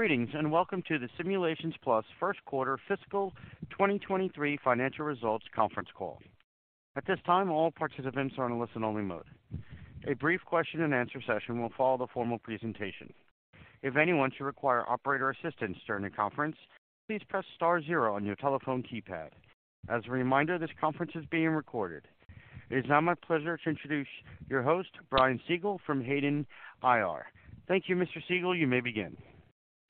Greetings, welcome to the Simulations Plus first quarter fiscal 2023 financial results conference call. At this time, all participants are in a listen only mode. A brief question and answer session will follow the formal presentation. If anyone should require operator assistance during the conference, please press star zero on your telephone keypad. As a reminder, this conference is being recorded. It is now my pleasure to introduce your host, Brian Siegel from Hayden IR. Thank you, Mr. Siegel. You may begin.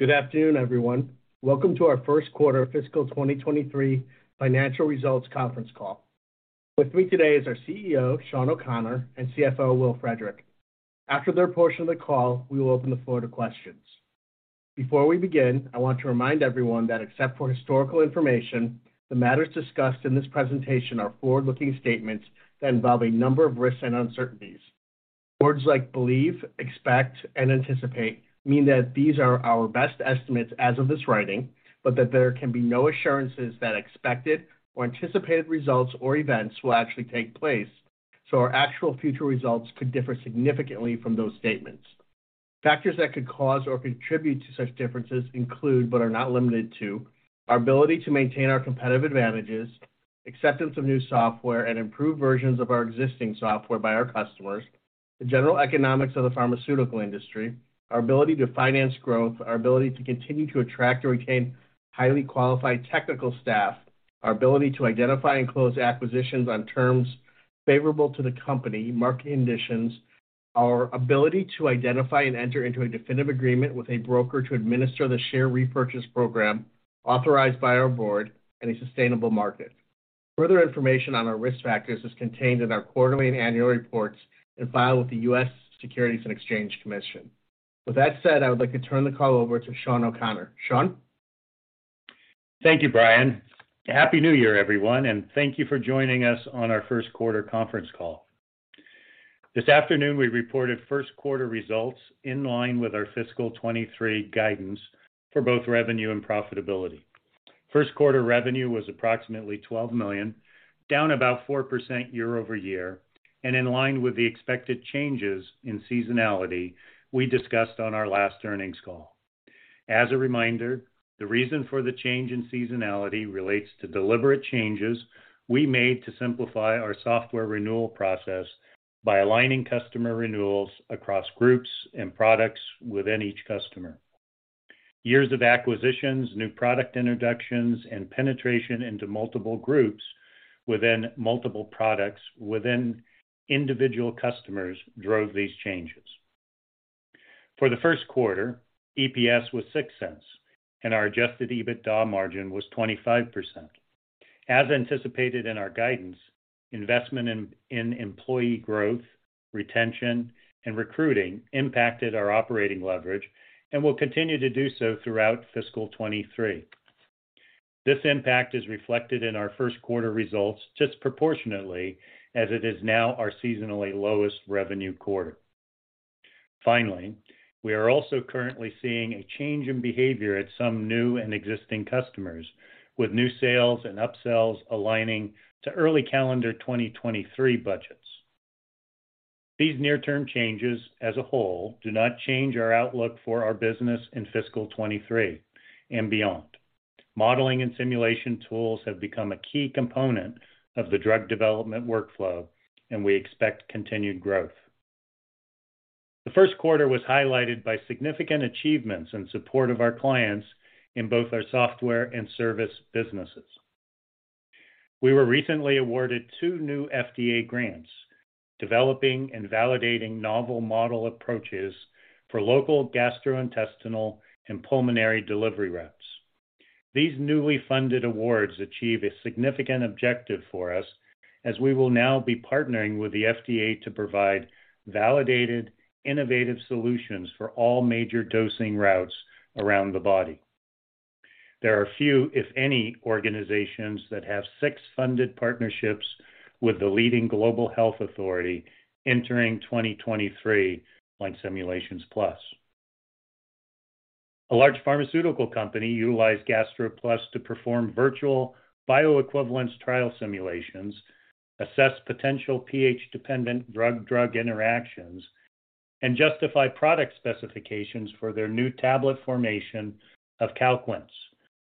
Good afternoon, everyone. Welcome to our 1st quarter fiscal 2023 financial results conference call. With me today is our CEO, Shawn O'Connor, and CFO, Will Frederick. After their portion of the call, we will open the floor to questions. Before we begin, I want to remind everyone that except for historical information, the matters discussed in this presentation are forward-looking statements that involve a number of risks and uncertainties. Words like believe, expect, and anticipate mean that these are our best estimates as of this writing, but that there can be no assurances that expected or anticipated results or events will actually take place, so our actual future results could differ significantly from those statements. Factors that could cause or contribute to such differences include, but are not limited to, our ability to maintain our competitive advantages, acceptance of new software and improved versions of our existing software by our customers, the general economics of the pharmaceutical industry, our ability to finance growth, our ability to continue to attract or retain highly qualified technical staff, our ability to identify and close acquisitions on terms favorable to the company, market conditions, our ability to identify and enter into a definitive agreement with a broker to administer the share repurchase program authorized by our board in a sustainable market. Further information on our risk factors is contained in our quarterly and annual reports and filed with the U.S. Securities and Exchange Commission. With that said, I would like to turn the call over to Shawn O'Connor. Shawn. Thank you, Brian. Happy New Year, everyone, thank you for joining us on our first quarter conference call. This afternoon we reported first quarter results in line with our fiscal 2023 guidance for both revenue and profitability. First quarter revenue was approximately $12 million, down about 4% year-over-year and in line with the expected changes in seasonality we discussed on our last earnings call. As a reminder, the reason for the change in seasonality relates to deliberate changes we made to simplify our software renewal process by aligning customer renewals across groups and products within each customer. Years of acquisitions, new product introductions, and penetration into multiple groups within multiple products within individual customers drove these changes. For the first quarter, EPS was $0.06, our adjusted EBITDA margin was 25%. As anticipated in our guidance, investment in employee growth, retention, and recruiting impacted our operating leverage and will continue to do so throughout fiscal 23. This impact is reflected in our first quarter results disproportionately as it is now our seasonally lowest revenue quarter. We are also currently seeing a change in behavior at some new and existing customers, with new sales and upsells aligning to early calendar 2023 budgets. These near-term changes as a whole do not change our outlook for our business in fiscal 23 and beyond. Modeling and simulation tools have become a key component of the drug development workflow, and we expect continued growth. The first quarter was highlighted by significant achievements in support of our clients in both our software and service businesses. We were recently awarded two new FDA grants, developing and validating novel model approaches for local gastrointestinal and pulmonary delivery routes. These newly funded awards achieve a significant objective for us as we will now be partnering with the FDA to provide validated, innovative solutions for all major dosing routes around the body. There are few, if any, organizations that have six funded partnerships with the leading global health authority entering 2023 like Simulations Plus. A large pharmaceutical company utilized GastroPlus to perform virtual bioequivalence trial simulations, assess potential pH-dependent drug-drug interactions, and justify product specifications for their new tablet formation of Calquence,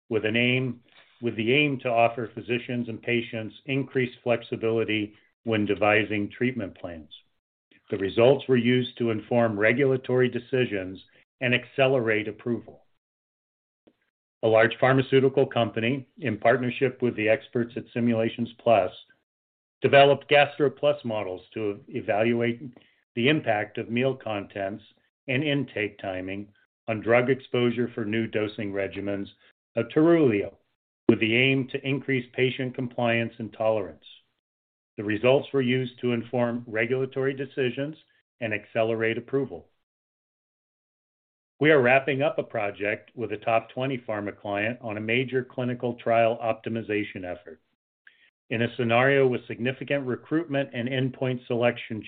with the aim to offer physicians and patients increased flexibility when devising treatment plans. The results were used to inform regulatory decisions and accelerate approval. A large pharmaceutical company, in partnership with the experts at Simulations Plus, developed GastroPlus models to evaluate the impact of meal contents and intake timing on drug exposure for new dosing regimens of Terulio, with the aim to increase patient compliance and tolerance. The results were used to inform regulatory decisions and accelerate approval. We are wrapping up a project with a top 20 pharma client on a major clinical trial optimization effort. In a scenario with significant recruitment and endpoint selection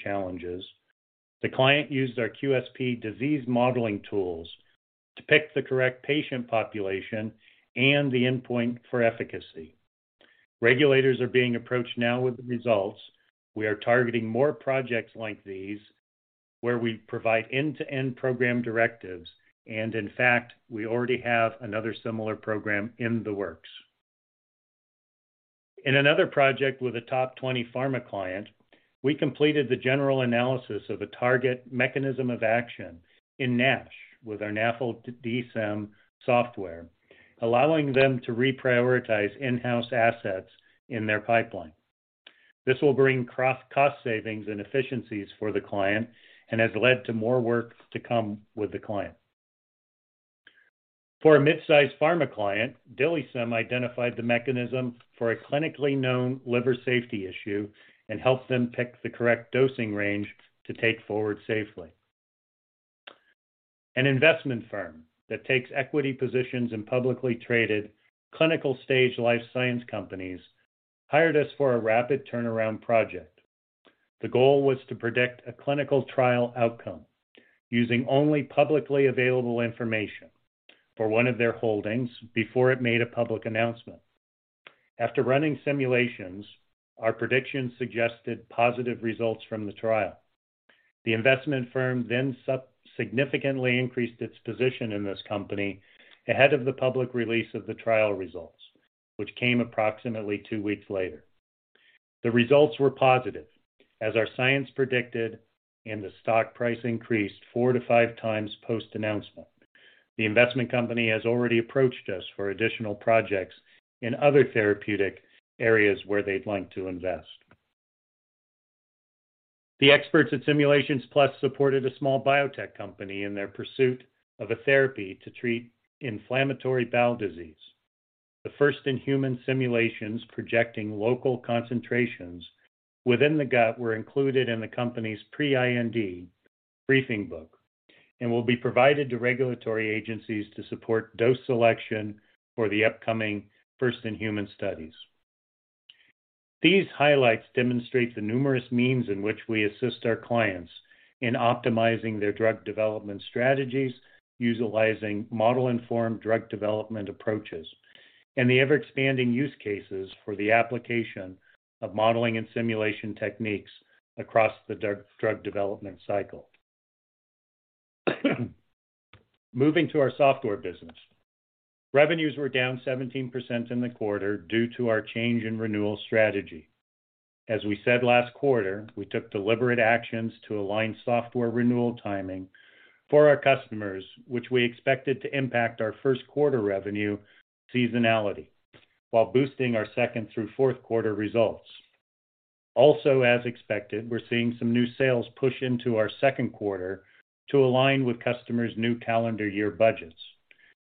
challenges, the client used our QSP disease modeling tools to pick the correct patient population and the endpoint for efficacy. Regulators are being approached now with the results. We are targeting more projects like these where we provide end-to-end program directives. In fact, we already have another similar program in the works. In another project with a top 20 pharma client, we completed the general analysis of a target mechanism of action in NASH with our NAFLDsym software, allowing them to reprioritize in-house assets in their pipeline. This will bring cost savings and efficiencies for the client and has led to more work to come with the client. For a mid-sized pharma client, DILIsym identified the mechanism for a clinically known liver safety issue and helped them pick the correct dosing range to take forward safely. An investment firm that takes equity positions in publicly traded clinical stage life science companies hired us for a rapid turnaround project. The goal was to predict a clinical trial outcome using only publicly available information for one of their holdings before it made a public announcement. After running simulations, our predictions suggested positive results from the trial. The investment firm then significantly increased its position in this company ahead of the public release of the trial results, which came approximately two weeks later. The results were positive, as our science predicted, and the stock price increased four to five times post-announcement. The investment company has already approached us for additional projects in other therapeutic areas where they'd like to invest. The experts at Simulations Plus supported a small biotech company in their pursuit of a therapy to treat inflammatory bowel disease. The first-in-human simulations projecting local concentrations within the gut were included in the company's pre-IND briefing book and will be provided to regulatory agencies to support dose selection for the upcoming first-in-human studies. These highlights demonstrate the numerous means in which we assist our clients in optimizing their drug development strategies, utilizing model-informed drug development approaches, and the ever-expanding use cases for the application of modeling and simulation techniques across the drug development cycle. Moving to our software business. Revenues were down 17% in the quarter due to our change in renewal strategy. As we said last quarter, we took deliberate actions to align software renewal timing for our customers, which we expected to impact our first quarter revenue seasonality while boosting our second through fourth quarter results. As expected, we're seeing some new sales push into our second quarter to align with customers' new calendar year budgets.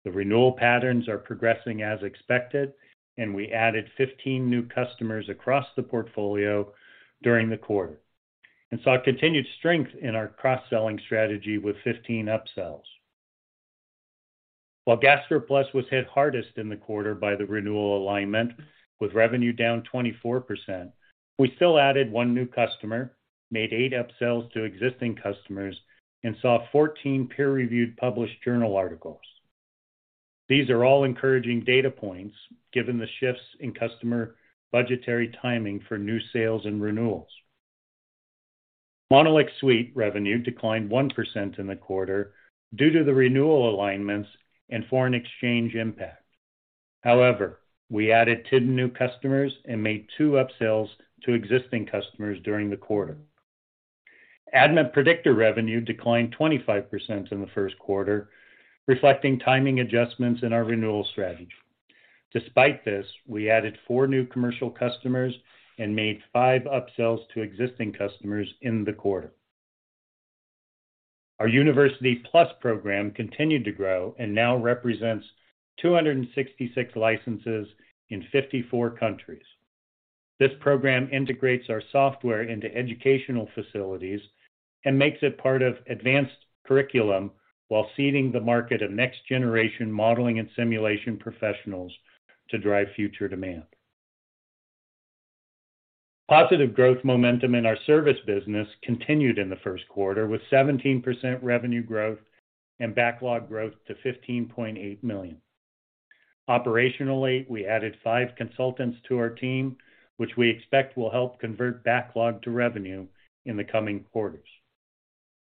The renewal patterns are progressing as expected, we added 15 new customers across the portfolio during the quarter and saw continued strength in our cross-selling strategy with 15 upsells. While GastroPlus was hit hardest in the quarter by the renewal alignment with revenue down 24%, we still added 1 new customer, made 8 upsells to existing customers, and saw 14 peer-reviewed published journal articles. These are all encouraging data points given the shifts in customer budgetary timing for new sales and renewals. MonolixSuite revenue declined 1% in the quarter due to the renewal alignments and foreign exchange impact. We added 10 new customers and made 2 upsells to existing customers during the quarter. ADMET Predictor revenue declined 25% in the first quarter, reflecting timing adjustments in our renewal strategy. Despite this, we added 4 new commercial customers and made 5 upsells to existing customers in the quarter. Our University Plus program continued to grow and now represents 266 licenses in 54 countries. This program integrates our software into educational facilities and makes it part of advanced curriculum while seeding the market of next generation modeling and simulation professionals to drive future demand. Positive growth momentum in our service business continued in the first quarter with 17% revenue growth and backlog growth to $15.8 million. Operationally, we added five consultants to our team, which we expect will help convert backlog to revenue in the coming quarters.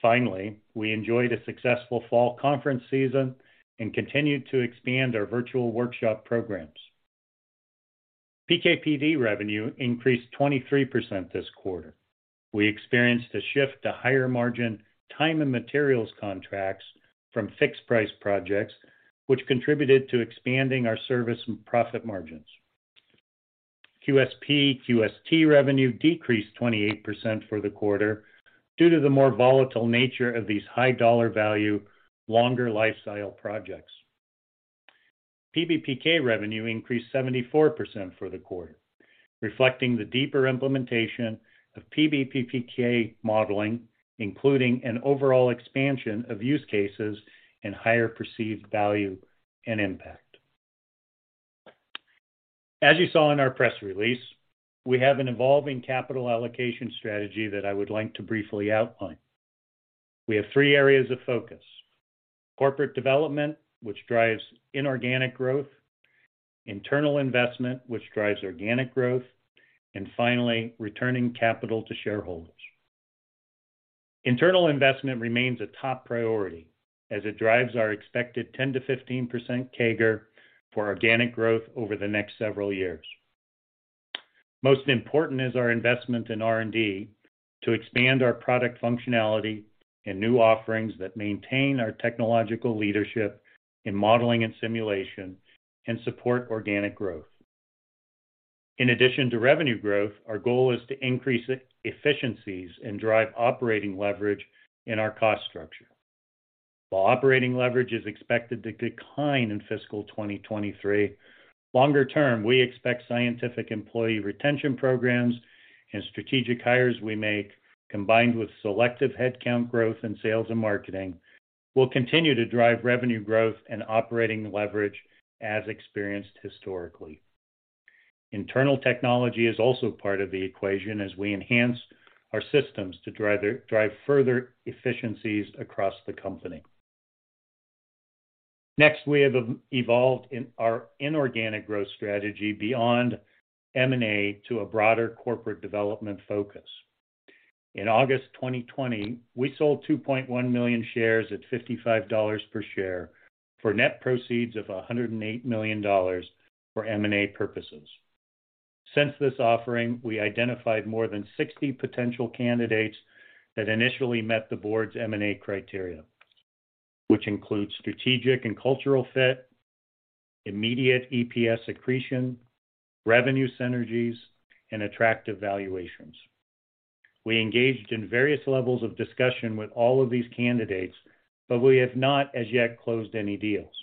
Finally, we enjoyed a successful fall conference season and continued to expand our virtual workshop programs. PKPD revenue increased 23% this quarter. We experienced a shift to higher margin time and materials contracts from fixed-price projects, which contributed to expanding our service and profit margins. QSP, QST revenue decreased 28% for the quarter due to the more volatile nature of these high dollar value, longer lifestyle projects. PBPK revenue increased 74% for the quarter, reflecting the deeper implementation of PBPK modeling, including an overall expansion of use cases and higher perceived value and impact. As you saw in our press release, we have an evolving capital allocation strategy that I would like to briefly outline. We have three areas of focus: corporate development, which drives inorganic growth, internal investment, which drives organic growth, and finally, returning capital to shareholders. Internal investment remains a top priority as it drives our expected 10%-15% CAGR for organic growth over the next several years. Most important is our investment in R&D to expand our product functionality and new offerings that maintain our technological leadership in modeling and simulation and support organic growth. In addition to revenue growth, our goal is to increase efficiencies and drive operating leverage in our cost structure. While operating leverage is expected to decline in fiscal 2023, longer term, we expect scientific employee retention programs and strategic hires we make, combined with selective headcount growth in sales and marketing, will continue to drive revenue growth and operating leverage as experienced historically. Internal technology is also part of the equation as we enhance our systems to drive further efficiencies across the company. Next, we have evolved in our inorganic growth strategy beyond M&A to a broader corporate development focus. In August 2020, we sold 2.1 million shares at $55 per share for net proceeds of $108 million for M&A purposes. Since this offering, we identified more than 60 potential candidates that initially met the board's M&A criteria, which include strategic and cultural fit, immediate EPS accretion, revenue synergies, and attractive valuations. We engaged in various levels of discussion with all of these candidates, but we have not as yet closed any deals.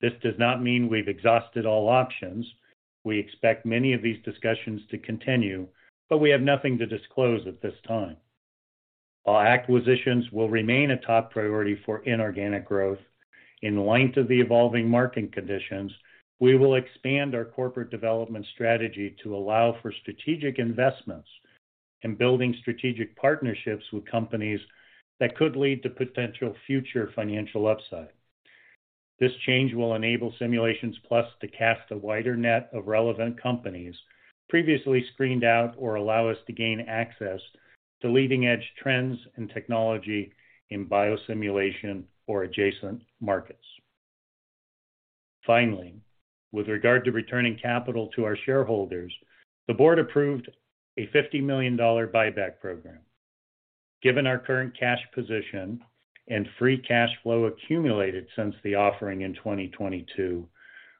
This does not mean we've exhausted all options. We expect many of these discussions to continue, but we have nothing to disclose at this time. While acquisitions will remain a top priority for inorganic growth, in light of the evolving market conditions, we will expand our corporate development strategy to allow for strategic investments in building strategic partnerships with companies that could lead to potential future financial upside. This change will enable Simulations Plus to cast a wider net of relevant companies previously screened out or allow us to gain access to leading-edge trends and technology in biosimulation or adjacent markets. Finally, with regard to returning capital to our shareholders, the board approved a $50 million buyback program. Given our current cash position and free cash flow accumulated since the offering in 2022,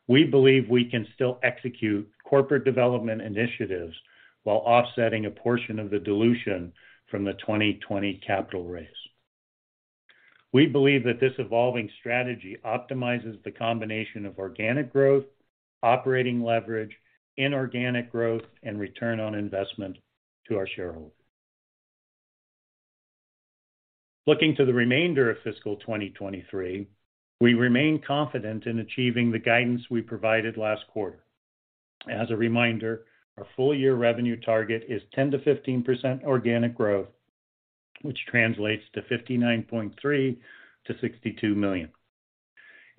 we believe we can still execute corporate development initiatives while offsetting a portion of the dilution from the 2020 capital raise. We believe that this evolving strategy optimizes the combination of organic growth, operating leverage, inorganic growth, and return on investment to our shareholders. Looking to the remainder of fiscal 2023, we remain confident in achieving the guidance we provided last quarter. As a reminder, our full year revenue target is 10%-15% organic growth, which translates to $59.3 million-$62 million.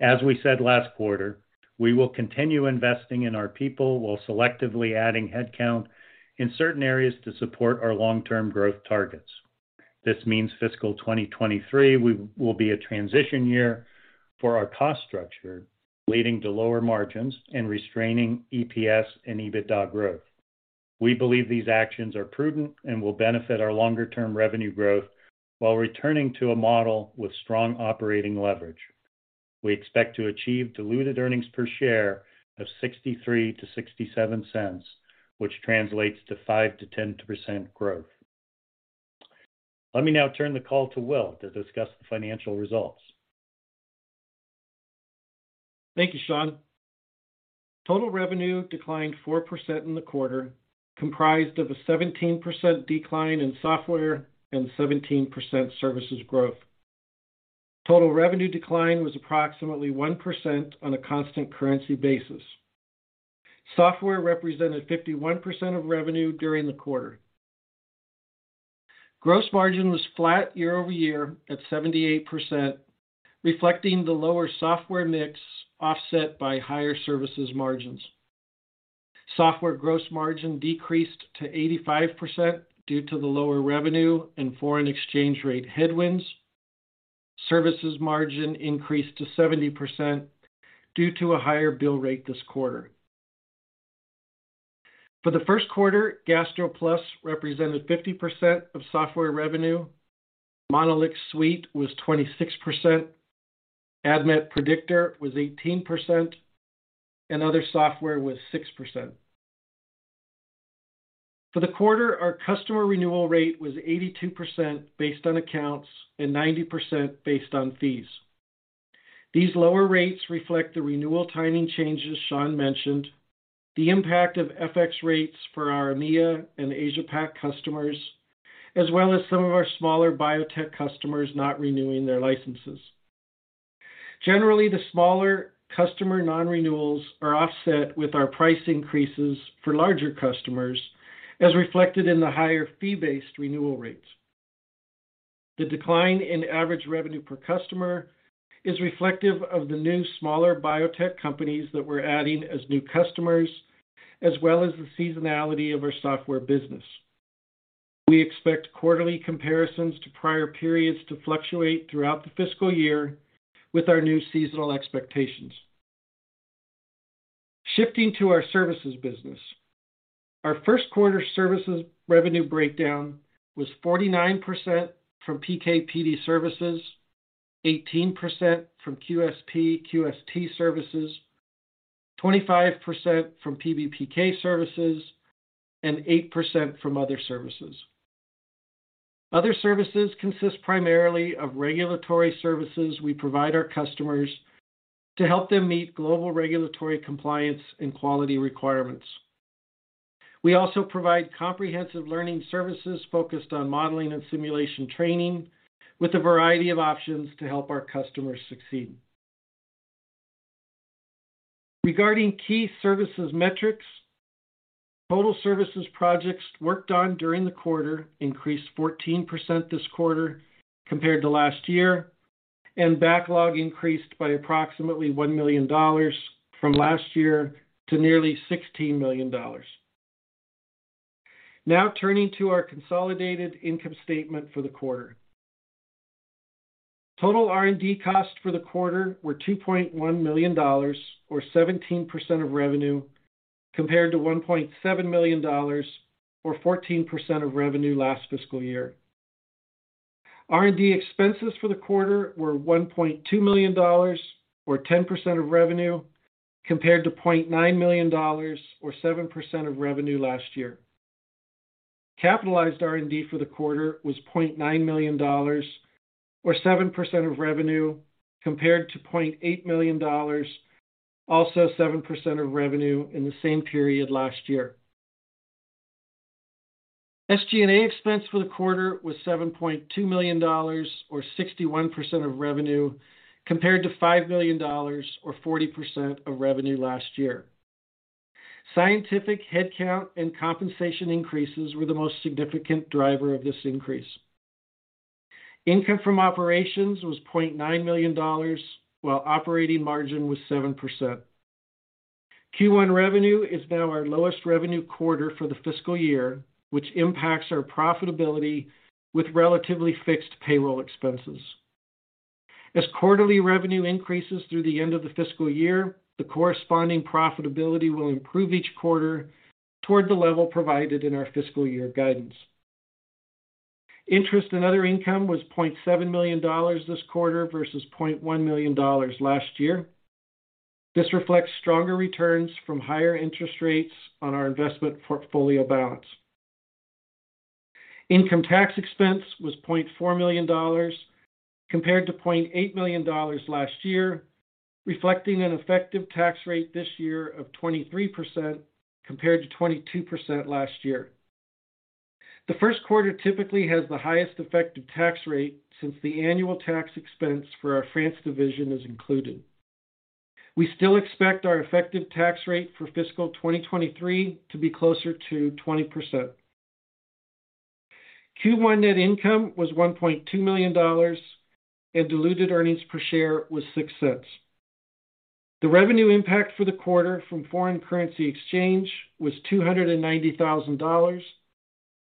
As we said last quarter, we will continue investing in our people while selectively adding headcount in certain areas to support our long-term growth targets. This means fiscal 2023 will be a transition year for our cost structure, leading to lower margins and restraining EPS and EBITDA growth. We believe these actions are prudent and will benefit our longer term revenue growth while returning to a model with strong operating leverage. We expect to achieve diluted earnings per share of $0.63-$0.67, which translates to 5%-10% growth. Let me now turn the call to Will to discuss the financial results. Thank you, Shawn. Total revenue declined 4% in the quarter, comprised of a 17% decline in software and 17% services growth. Total revenue decline was approximately 1% on a constant currency basis. Software represented 51% of revenue during the quarter. Gross margin was flat year-over-year at 78%, reflecting the lower software mix offset by higher services margins. Software gross margin decreased to 85% due to the lower revenue and foreign exchange rate headwinds. Services margin increased to 70% due to a higher bill rate this quarter. For the first quarter, GastroPlus represented 50% of software revenue, MonolixSuite was 26%, ADMET Predictor was 18%, and other software was 6%. For the quarter, our customer renewal rate was 82% based on accounts and 90% based on fees. These lower rates reflect the renewal timing changes Shawn mentioned, the impact of FX rates for our EMEA and Asia Pac customers, as well as some of our smaller biotech customers not renewing their licenses. Generally, the smaller customer non-renewals are offset with our price increases for larger customers, as reflected in the higher fee-based renewal rates. The decline in average revenue per customer is reflective of the new smaller biotech companies that we're adding as new customers, as well as the seasonality of our software business. We expect quarterly comparisons to prior periods to fluctuate throughout the fiscal year with our new seasonal expectations. Shifting to our services business. Our first quarter services revenue breakdown was 49% from PK/PD services, 18% from QSP/QST services, 25% from PBPK services, and 8% from other services. Other services consist primarily of regulatory services we provide our customers to help them meet global regulatory compliance and quality requirements. We also provide comprehensive learning services focused on modeling and simulation training with a variety of options to help our customers succeed. Regarding key services metrics, total services projects worked on during the quarter increased 14% this quarter compared to last year, and backlog increased by approximately $1 million from last year to nearly $16 million. Now turning to our consolidated income statement for the quarter. Total R&D costs for the quarter were $2.1 million or 17% of revenue, compared to $1.7 million or 14% of revenue last fiscal year. R&D expenses for the quarter were $1.2 million or 10% of revenue, compared to $0.9 million or 7% of revenue last year. Capitalized R&D for the quarter was $0.9 million or 7% of revenue, compared to $0.8 million, also 7% of revenue in the same period last year. SG&A expense for the quarter was $7.2 million or 61% of revenue, compared to $5 million or 40% of revenue last year. Scientific headcount and compensation increases were the most significant driver of this increase. Income from operations was $0.9 million, while operating margin was 7%. Q1 revenue is now our lowest revenue quarter for the fiscal year, which impacts our profitability with relatively fixed payroll expenses. As quarterly revenue increases through the end of the fiscal year, the corresponding profitability will improve each quarter toward the level provided in our fiscal year guidance. Interest and other income was $0.7 million this quarter versus $0.1 million last year. This reflects stronger returns from higher interest rates on our investment portfolio balance. Income tax expense was $0.4 million compared to $0.8 million last year, reflecting an effective tax rate this year of 23% compared to 22% last year. The first quarter typically has the highest effective tax rate since the annual tax expense for our France division is included. We still expect our effective tax rate for fiscal 2023 to be closer to 20%. Q1 net income was $1.2 million and diluted earnings per share was $0.06. The revenue impact for the quarter from foreign currency exchange was $290,000,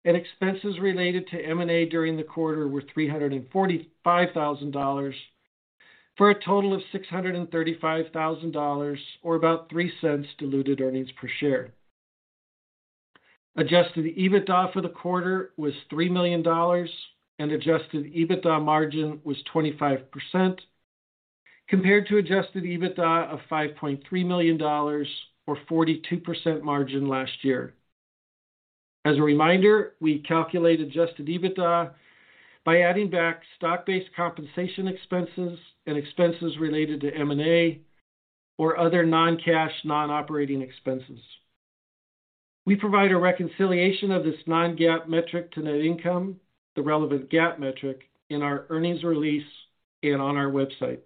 and expenses related to M&A during the quarter were $345,000 for a total of $635,000 or about $0.03 diluted earnings per share. Adjusted EBITDA for the quarter was $3 million and adjusted EBITDA margin was 25% compared to adjusted EBITDA of $5.3 million or 42% margin last year. As a reminder, we calculate adjusted EBITDA by adding back stock-based compensation expenses and expenses related to M&A or other non-cash, non-operating expenses. We provide a reconciliation of this non-GAAP metric to net income, the relevant GAAP metric, in our earnings release and on our website.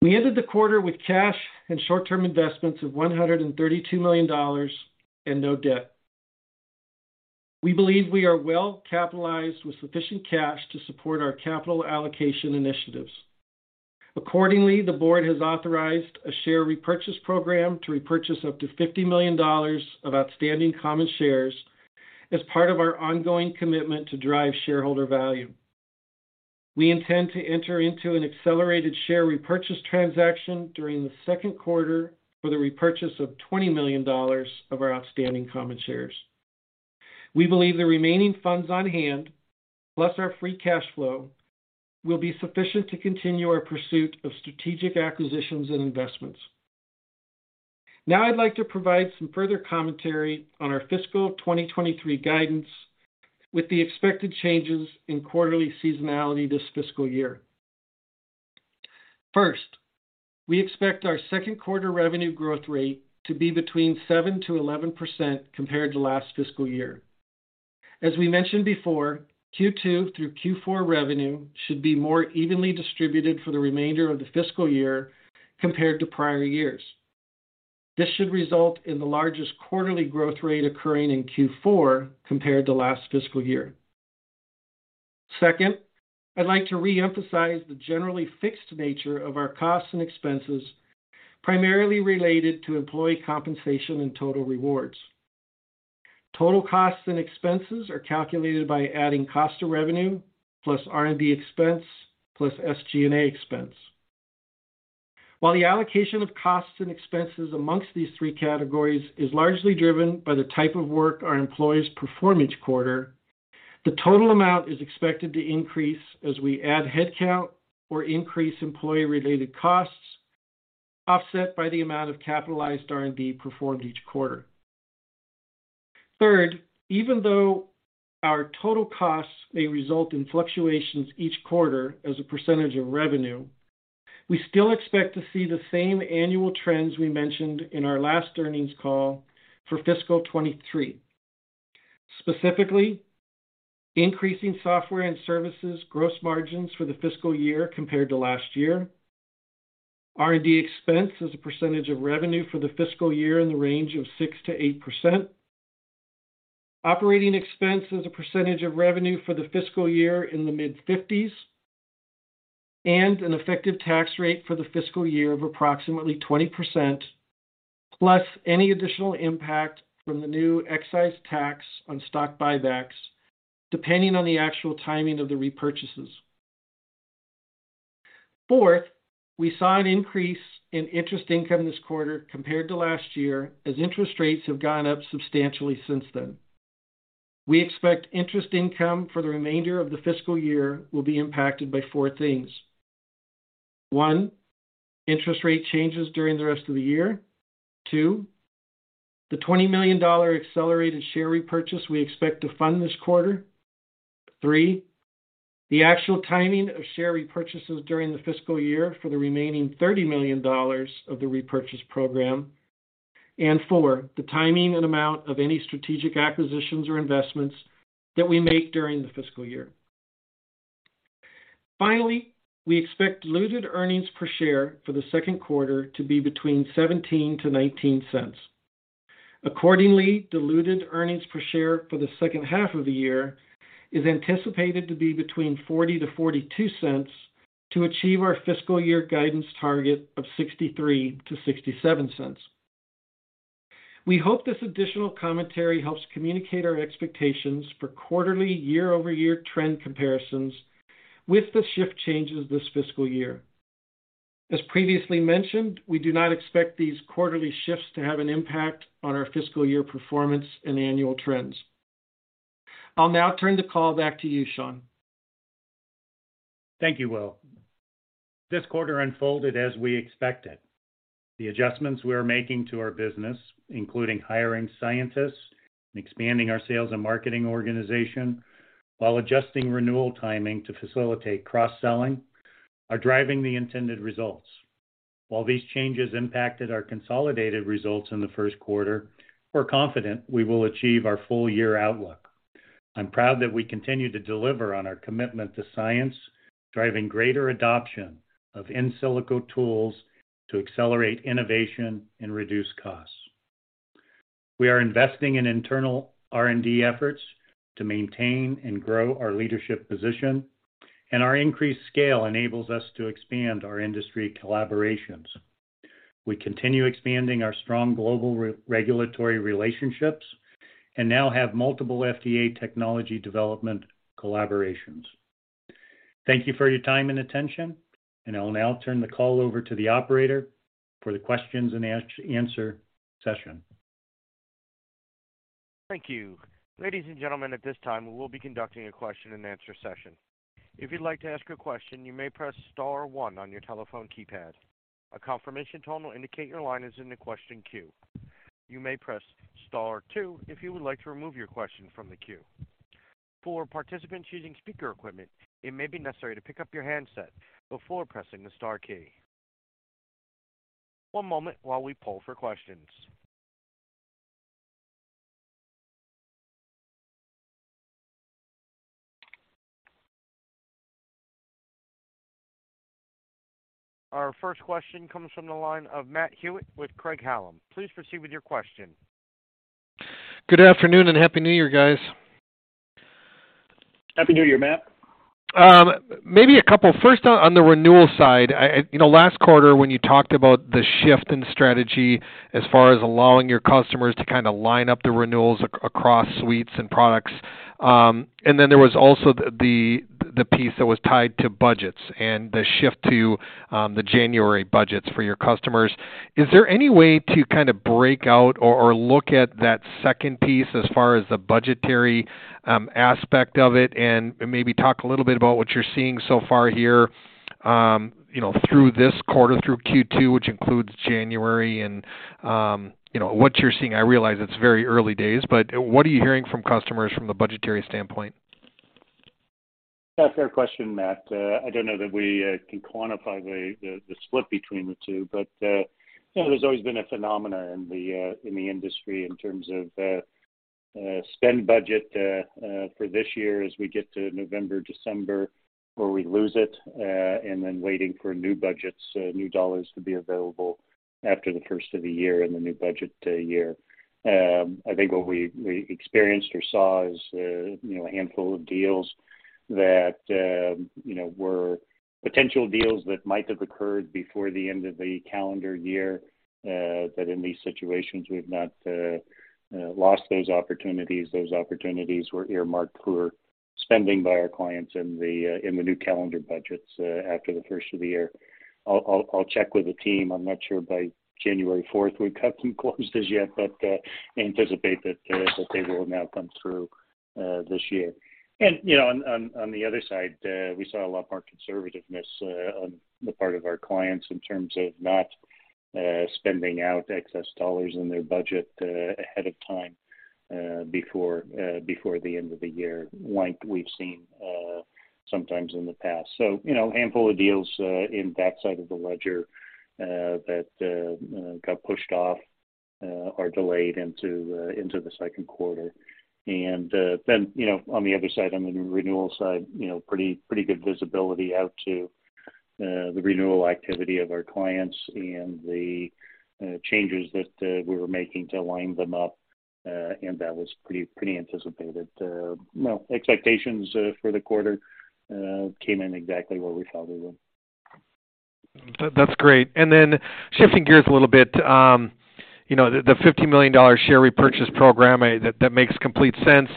We ended the quarter with cash and short-term investments of $132 million and no debt. We believe we are well capitalized with sufficient cash to support our capital allocation initiatives. Accordingly, the board has authorized a share repurchase program to repurchase up to $50 million of outstanding common shares as part of our ongoing commitment to drive shareholder value. We intend to enter into an accelerated share repurchase transaction during the second quarter for the repurchase of $20 million of our outstanding common shares. We believe the remaining funds on hand, plus our free cash flow, will be sufficient to continue our pursuit of strategic acquisitions and investments. Now, I'd like to provide some further commentary on our fiscal 2023 guidance with the expected changes in quarterly seasonality this fiscal year. First, we expect our second quarter revenue growth rate to be between 7%-11% compared to last fiscal year. As we mentioned before, Q2 through Q4 revenue should be more evenly distributed for the remainder of the fiscal year compared to prior years. This should result in the largest quarterly growth rate occurring in Q4 compared to last fiscal year. Second, I'd like to reemphasize the generally fixed nature of our costs and expenses, primarily related to employee compensation and total rewards. Total costs and expenses are calculated by adding cost of revenue plus R&D expense plus SG&A expense. While the allocation of costs and expenses amongst these three categories is largely driven by the type of work our employees perform each quarter, the total amount is expected to increase as we add headcount or increase employee-related costs, offset by the amount of capitalized R&D performed each quarter. Third, even though our total costs may result in fluctuations each quarter as a percentage of revenue, we still expect to see the same annual trends we mentioned in our last earnings call for fiscal 2023. Specifically, increasing software and services gross margins for the fiscal year compared to last year, R&D expense as a percentage of revenue for the fiscal year in the range of 6%-8%, operating expense as a percentage of revenue for the fiscal year in the mid-50s, and an effective tax rate for the fiscal year of approximately 20%, plus any additional impact from the new excise tax on stock buybacks, depending on the actual timing of the repurchases. Fourth, we saw an increase in interest income this quarter compared to last year, as interest rates have gone up substantially since then. We expect interest income for the remainder of the fiscal year will be impacted by four things. One, interest rate changes during the rest of the year. Two, the $20 million accelerated share repurchase we expect to fund this quarter. Three, the actual timing of share repurchases during the fiscal year for the remaining $30 million of the repurchase program. Four, the timing and amount of any strategic acquisitions or investments that we make during the fiscal year. Finally, we expect diluted earnings per share for the second quarter to be between $0.17-$0.19. Accordingly, diluted earnings per share for the second half of the year is anticipated to be between $0.40-$0.42 to achieve our fiscal year guidance target of $0.63-$0.67. We hope this additional commentary helps communicate our expectations for quarterly year-over-year trend comparisons with the shift changes this fiscal year. As previously mentioned, we do not expect these quarterly shifts to have an impact on our fiscal year performance and annual trends. I'll now turn the call back to you, Shawn. Thank you, Will. This quarter unfolded as we expected. The adjustments we are making to our business, including hiring scientists and expanding our sales and marketing organization while adjusting renewal timing to facilitate cross-selling, are driving the intended results. While these changes impacted our consolidated results in the first quarter, we're confident we will achieve our full year outlook. I'm proud that we continue to deliver on our commitment to science, driving greater adoption of in silico tools to accelerate innovation and reduce costs. We are investing in internal R&D efforts to maintain and grow our leadership position, and our increased scale enables us to expand our industry collaborations. We continue expanding our strong global re-regulatory relationships and now have multiple FDA technology development collaborations. Thank you for your time and attention, and I will now turn the call over to the operator for the questions and answer session. Thank you. Ladies and gentlemen, at this time, we will be conducting a question and answer session. If you'd like to ask a question, you may press star 1 on your telephone keypad. A confirmation tone will indicate your line is in the question queue. You may press star 2 if you would like to remove your question from the queue. For participants using speaker equipment, it may be necessary to pick up your handset before pressing the star key. One moment while we poll for questions. Our first question comes from the line of Matthew Hewitt with Craig-Hallum. Please proceed with your question. Good afternoon and happy New Year, guys. Happy New Year, Matt. Maybe a couple. First, on the renewal side, I, you know, last quarter when you talked about the shift in strategy as far as allowing your customers to kinda line up the renewals across suites and products, and then there was also the piece that was tied to budgets and the shift to the January budgets for your customers. Is there any way to kinda break out or look at that second piece as far as the budgetary aspect of it? Maybe talk a little bit about what you're seeing so far here, you know, through this quarter, through Q2, which includes January and, you know, what you're seeing. I realize it's very early days, but what are you hearing from customers from the budgetary standpoint? Yeah, fair question, Matt. I don't know that we can quantify the split between the two, but you know, there's always been a phenomena in the industry in terms of spend budget for this year as we get to November, December, where we lose it, and then waiting for new budgets, new dollars to be available after the 1st of the year and the new budget year. I think what we experienced or saw is, you know, a handful of deals that, you know, were potential deals that might have occurred before the end of the calendar year, that in these situations we've not lost those opportunities. Those opportunities were earmarked for spending by our clients in the new calendar budgets after the first of the year. I'll check with the team. I'm not sure by January fourth we've got some closes yet, but anticipate that they will now come through this year. You know, on the other side, we saw a lot more conservativeness on the part of our clients in terms of not spending out excess dollars in their budget ahead of time before the end of the year, like we've seen sometimes in the past. You know, handful of deals in that side of the ledger that got pushed off or delayed into the second quarter. Then, you know, on the other side, on the renewal side, you know, pretty good visibility out to the renewal activity of our clients and the changes that we were making to line them up. That was pretty anticipated. No expectations for the quarter came in exactly where we thought they would. That's great. Then shifting gears a little bit, you know, the $50 million share repurchase program, that makes complete sense.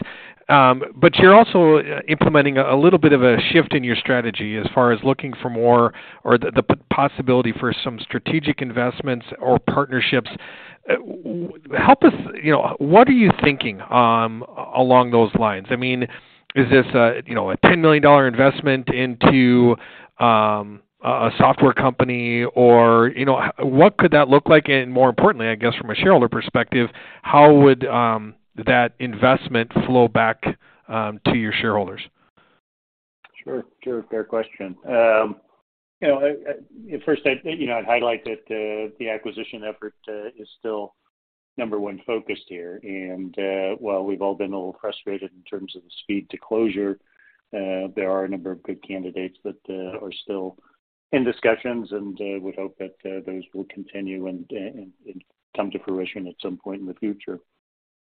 You're also implementing a little bit of a shift in your strategy as far as looking for more or the possibility for some strategic investments or partnerships. Help us, you know, what are you thinking along those lines? I mean, is this a, you know, a $10 million investment into a software company? Or, you know, what could that look like? More importantly, I guess, from a shareholder perspective, how would that investment flow back to your shareholders? Sure. Sure. Fair question. You know, first I'd, you know, I'd highlight that the acquisition effort is still number one focus here. While we've all been a little frustrated in terms of the speed to closure, there are a number of good candidates that are still in discussions, and would hope that those will continue and come to fruition at some point in the future.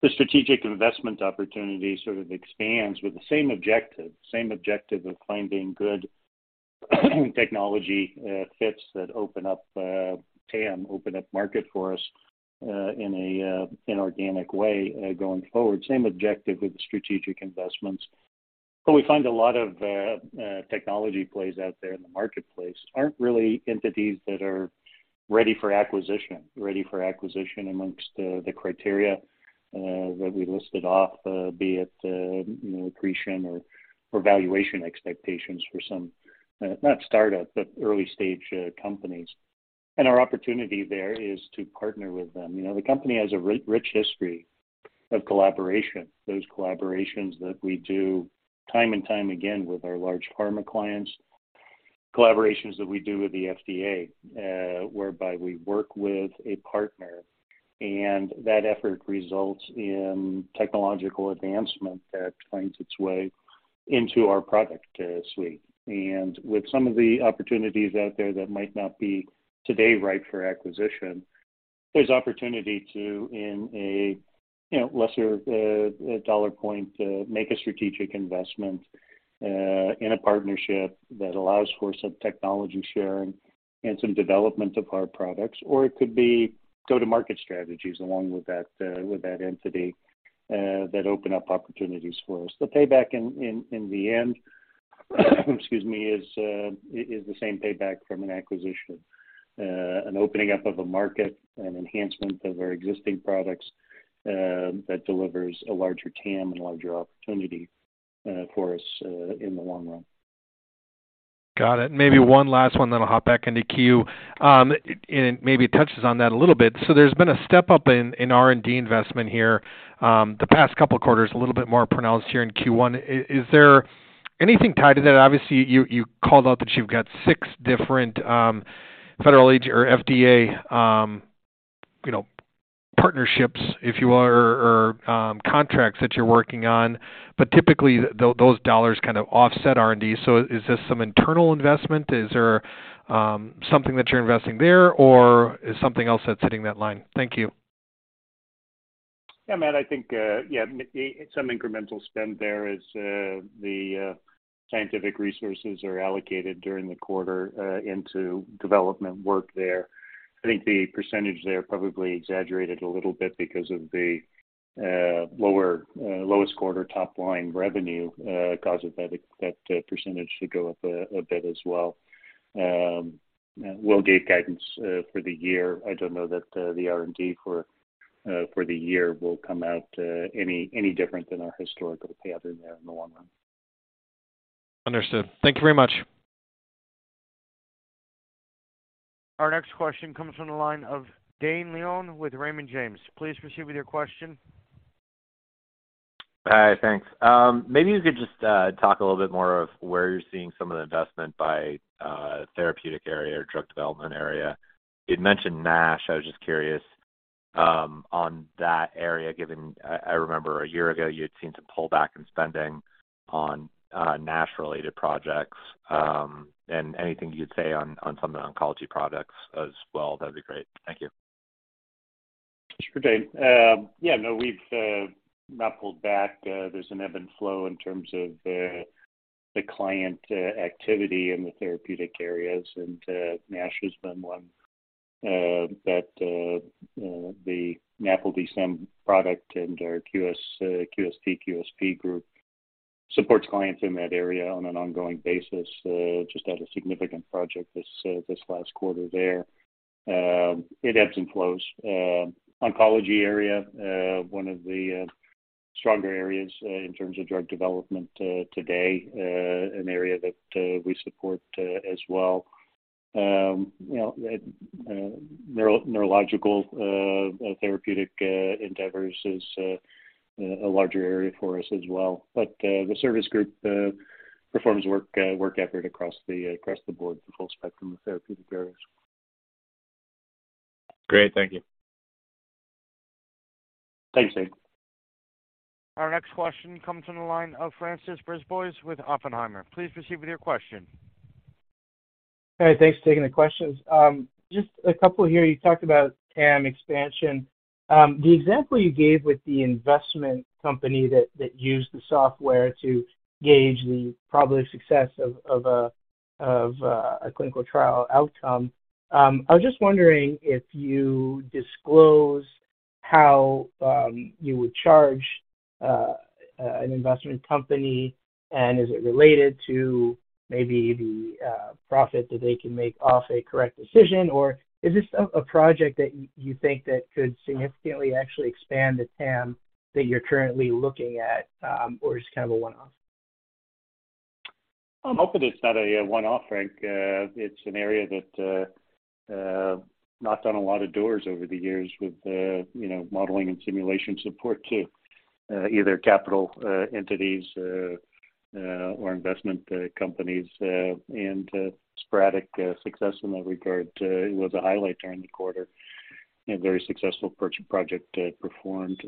The strategic investment opportunity sort of expands with the same objective of finding good technology fits that open up TAM, open up market for us in a in organic way going forward. Same objective with the strategic investments. We find a lot of technology plays out there in the marketplace aren't really entities that are ready for acquisition amongst the criteria that we listed off, be it, you know, accretion or valuation expectations for some not startup, but early-stage companies. Our opportunity there is to partner with them. You know, the company has a rich history of collaboration. Those collaborations that we do time and time again with our large pharma clients, collaborations that we do with the FDA, whereby we work with a partner, and that effort results in technological advancement that finds its way into our product suite. With some of the opportunities out there that might not be today right for acquisition, there's opportunity to, in a, you know, lesser dollar point, make a strategic investment in a partnership that allows for some technology sharing and some development of our products. It could be go-to-market strategies along with that entity that open up opportunities for us. The payback in the end, excuse me, is the same payback from an acquisition, an opening up of a market, an enhancement of our existing products, that delivers a larger TAM and larger opportunity for us in the long run. Got it. Maybe one last one then I'll hop back into queue. It maybe touches on that a little bit. There's been a step-up in R&D investment here, the past couple quarters, a little bit more pronounced here in Q1. Is there anything tied to that? Obviously, you called out that you've got six different federal agent or FDA, you know, partnerships, if you will, or contracts that you're working on, but typically those dollars kind of offset R&D. Is this some internal investment? Is there something that you're investing there, or is something else that's hitting that line? Thank you. Yeah, Matt, I think, yeah, some incremental spend there as the scientific resources are allocated during the quarter into development work there. I think the percentage there probably exaggerated a little bit because of the lower lowest quarter top line revenue caused that percentage to go up a bit as well. We'll give guidance for the year. I don't know that the R&D for the year will come out any different than our historical pattern there in the long run. Understood. Thank you very much. Our next question comes from the line of Dane Leone with Raymond James. Please proceed with your question. Hi. Thanks. Maybe you could just talk a little bit more of where you're seeing some of the investment by therapeutic area or drug development area. You'd mentioned NASH. I was just curious on that area, given I remember a year ago you had seemed to pull back in spending on NASH-related projects. Anything you'd say on some of the oncology products as well, that'd be great. Thank you. Sure, Dane. Yeah, no, we've not pulled back. There's an ebb and flow in terms of the client activity in the therapeutic areas. NASH has been one that the MAPLE/Decem product and our QSP group supports clients in that area on an ongoing basis. Just had a significant project this last quarter there. It ebbs and flows. Oncology area, one of the stronger areas in terms of drug development today, an area that we support as well. You know, neurological therapeutic endeavors is a larger area for us as well. The service group performs work effort across the board, the full spectrum of therapeutic areas. Great. Thank you. Thanks, Dane. Our next question comes from the line of François Brisebois with Oppenheimer. Please proceed with your question. All right, thanks for taking the questions. Just a couple here. You talked about TAM expansion. The example you gave with the investment company that used the software to gauge the probable success of a clinical trial outcome. I was just wondering if you disclose how you would charge an investment company, and is it related to maybe the profit that they can make off a correct decision? Is this a project that you think that could significantly actually expand the TAM that you're currently looking at? It's kind of a one-off? I'm hoping it's not a one-off, Frank. It's an area that knocked on a lot of doors over the years with, you know, modeling and simulation support to either capital entities or investment companies and sporadic success in that regard. It was a highlight during the quarter, a very successful project performed.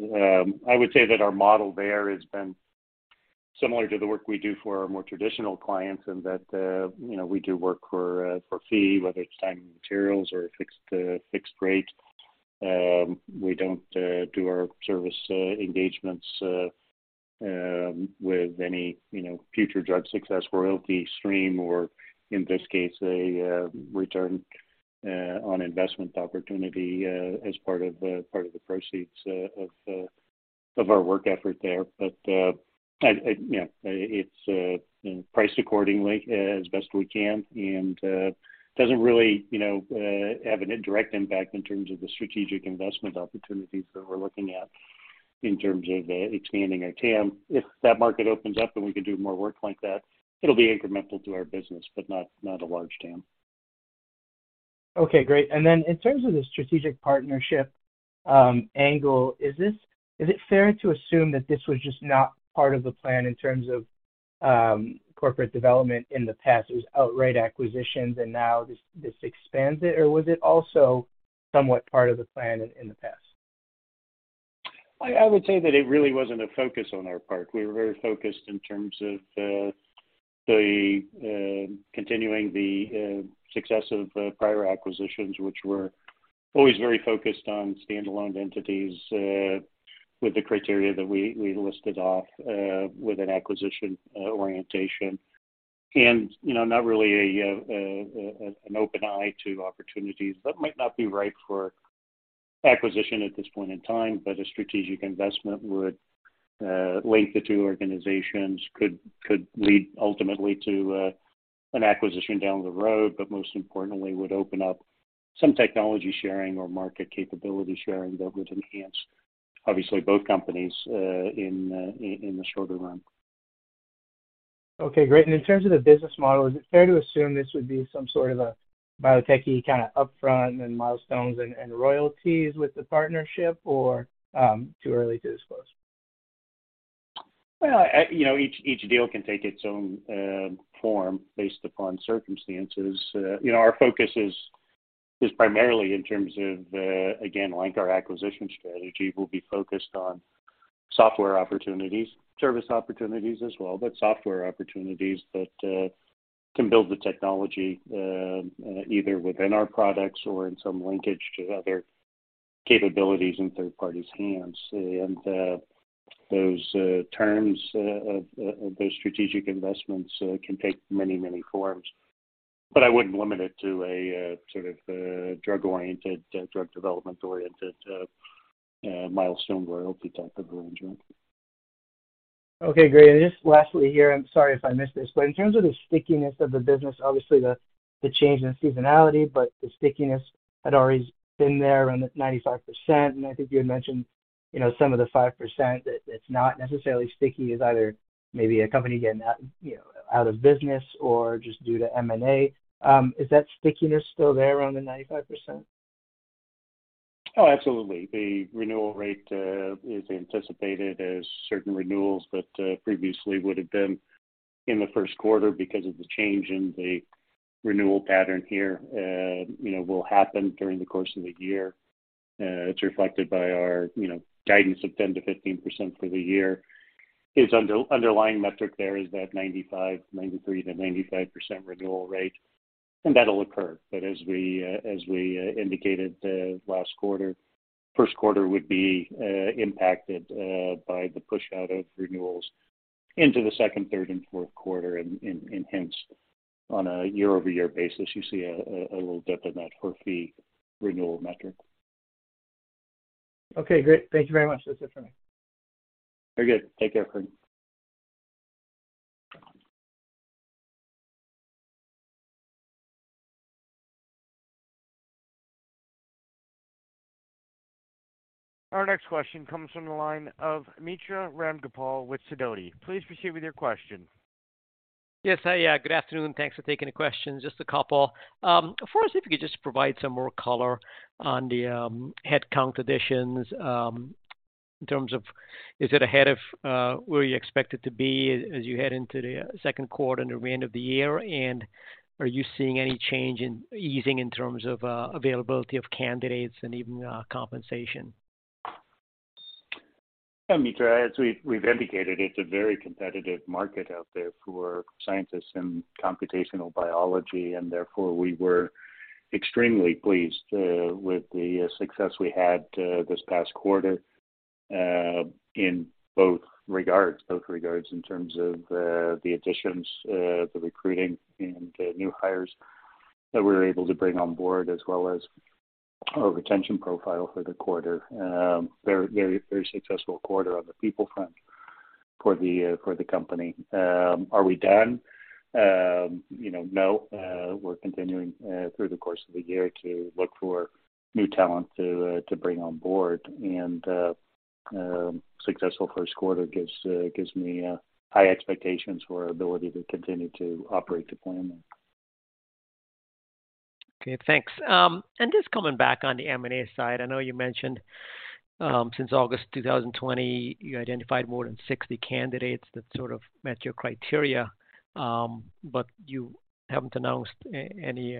I would say that our model there has been similar to the work we do for our more traditional clients and that, you know, we do work for for fee, whether it's time and materials or a fixed fixed rate. We don't do our service engagements with any, you know, future drug success royalty stream or in this case, a return on investment opportunity as part of the proceeds of our work effort there. You know, it's priced accordingly as best we can and doesn't really, you know, have an indirect impact in terms of the strategic investment opportunities that we're looking at in terms of expanding our TAM. If that market opens up and we can do more work like that, it'll be incremental to our business, but not a large TAM. Okay, great. In terms of the strategic partnership angle, is it fair to assume that this was just not part of the plan in terms of corporate development in the past? It was outright acquisitions and now this expands it, or was it also somewhat part of the plan in the past? I would say that it really wasn't a focus on our part. We were very focused in terms of the continuing the success of prior acquisitions, which were always very focused on standalone entities with the criteria that we listed off with an acquisition orientation. And, you know, not really an open eye to opportunities that might not be right for acquisition at this point in time, but a strategic investment would link the two organizations could lead ultimately to an acquisition down the road, but most importantly would open up some technology sharing or market capability sharing that would enhance obviously both companies in the shorter run. Okay, great. In terms of the business model, is it fair to assume this would be some sort of a biotechie kinda upfront and milestones and royalties with the partnership or too early to disclose? Well, you know, each deal can take its own form based upon circumstances. You know, our focus is primarily in terms of again, like our acquisition strategy will be focused on software opportunities, service opportunities as well, but software opportunities that can build the technology either within our products or in some linkage to other capabilities in third parties' hands. Those terms of those strategic investments can take many forms. I wouldn't limit it to a sort of drug-oriented, drug development-oriented, milestone royalty type of arrangement. Okay, great. Just lastly here, and sorry if I missed this, but in terms of the stickiness of the business, obviously the change in seasonality, but the stickiness had already been there around at 95%. I think you had mentioned, you know, some of the 5% that's not necessarily sticky is either maybe a company getting out, you know, out of business or just due to M&A. Is that stickiness still there around the 95%? Oh, absolutely. The renewal rate is anticipated as certain renewals that previously would have been in the first quarter because of the change in the renewal pattern here, you know, will happen during the course of the year. It's reflected by our, you know, guidance of 10%-15% for the year, is underlying metric there is that 95%, 93%-95% renewal rate, and that'll occur. As we indicated last quarter, first quarter would be impacted by the push out of renewals into the second, third and fourth quarter. Hence on a year-over-year basis, you see a little dip in that per-fee renewal metric. Okay, great. Thank you very much. That's it for me. Very good. Take care, Craig. Our next question comes from the line of Mitra Ramgopal with Sidoti. Please proceed with your question. Yes, hi. Yeah, good afternoon. Thanks for taking the question. Just a couple. First, if you could just provide some more color on the headcount additions, in terms of is it ahead of where you expect it to be as you head into the second quarter and the rest of the year? Are you seeing any change in easing in terms of availability of candidates and even compensation? Yeah, Mitra, as we've indicated, it's a very competitive market out there for scientists in computational biology, and therefore we were extremely pleased with the success we had this past quarter in both regards. Both regards in terms of the additions, the recruiting and the new hires that we were able to bring on board, as well as our retention profile for the quarter. Very, very, very successful quarter on the people front for the company. Are we done? You know, no. We're continuing through the course of the year to look for new talent to bring on board. Successful first quarter gives me high expectations for our ability to continue to operate to plan. Okay, thanks. Just coming back on the M&A side, I know you mentioned, since August 2020, you identified more than 60 candidates that sort of met your criteria, but you haven't announced any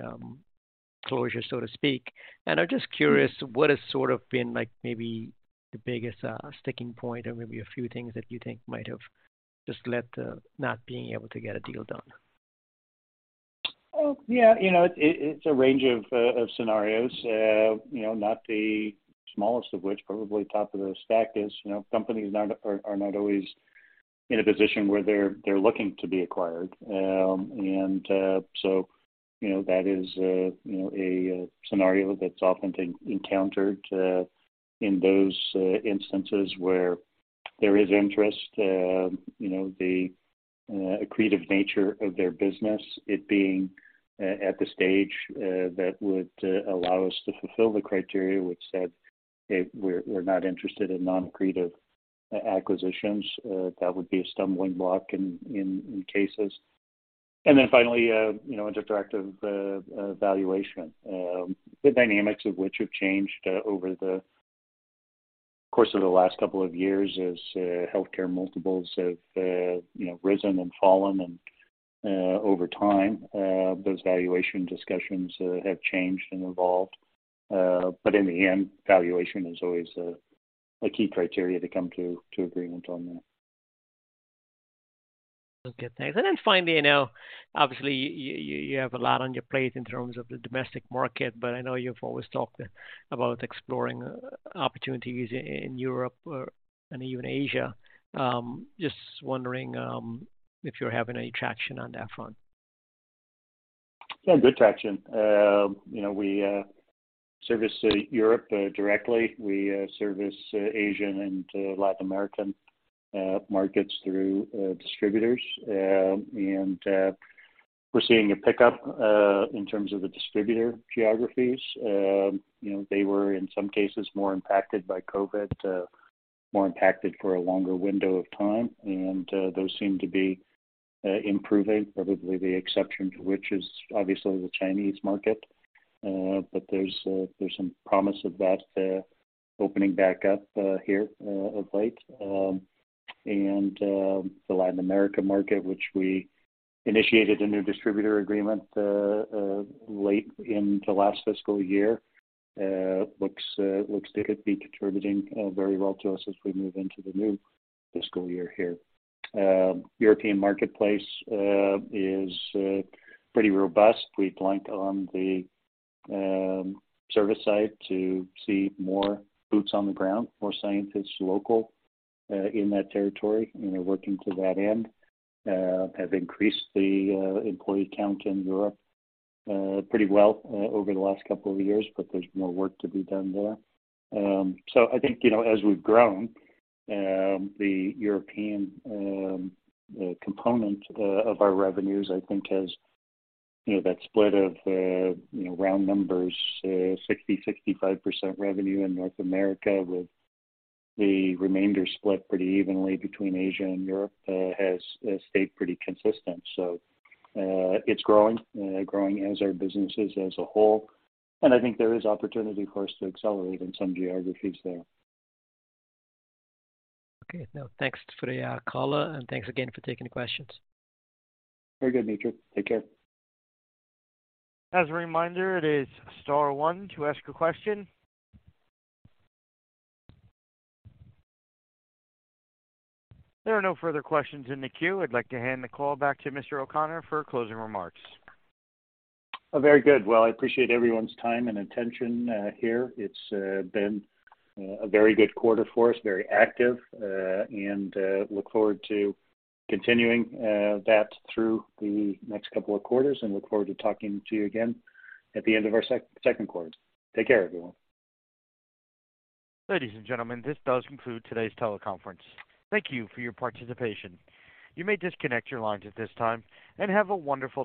closure, so to speak. I'm just curious, what has sort of been like maybe the biggest sticking point or maybe a few things that you think might have just led to not being able to get a deal done? Oh, yeah. You know, it's a range of scenarios. You know, not the smallest of which probably top of the stack is, you know, companies are not always in a position where they're looking to be acquired. You know, that is, you know, a scenario that's often encountered, in those instances where there is interest, you know, the accretive nature of their business, it being at the stage, that would allow us to fulfill the criteria which said that we're not interested in non-accretive acquisitions. That would be a stumbling block in cases. Finally, you know, interactive valuation, the dynamics of which have changed over the course of the last couple of years as healthcare multiples have, you know, risen and fallen. Over time, those valuation discussions have changed and evolved. In the end, valuation is always a key criteria to come to agreement on that. Okay, thanks. Finally, you know, obviously you have a lot on your plate in terms of the domestic market, but I know you've always talked about exploring opportunities in Europe or even Asia. Just wondering if you're having any traction on that front? Yeah, good traction. You know, we service Europe directly. We service Asian and Latin American markets through distributors. We're seeing a pickup in terms of the distributor geographies. You know, they were in some cases more impacted by COVID, more impacted for a longer window of time. Those seem to be improving, probably the exception to which is obviously the Chinese market. There's some promise of that opening back up here of late. The Latin America market, which we initiated a new distributor agreement late into last fiscal year, looks to be contributing very well to us as we move into the new fiscal year here. European marketplace is pretty robust. We plan on the service side to see more boots on the ground, more scientists local in that territory and are working to that end. Have increased the employee count in Europe pretty well over the last couple of years, but there's more work to be done there. I think, you know, as we've grown, the European component of our revenues, I think has, you know, that split of, you know, round numbers, 60%-65% revenue in North America, with the remainder split pretty evenly between Asia and Europe, has stayed pretty consistent. It's growing as our business is as a whole, and I think there is opportunity for us to accelerate in some geographies there. Okay. No, thanks for the call, and thanks again for taking the questions. Very good, Mitra. Take care. As a reminder, it is star one to ask a question. There are no further questions in the queue. I'd like to hand the call back to Mr. O'Connor for closing remarks. Very good. Well, I appreciate everyone's time and attention here. It's been a very good quarter for us, very active, and look forward to continuing that through the next couple of quarters and look forward to talking to you again at the end of our second quarter. Take care, everyone. Ladies and gentlemen, this does conclude today's teleconference. Thank you for your participation. You may disconnect your lines at this time. Have a wonderful day.